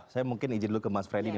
saya mungkin izin dulu ke mas freddy nih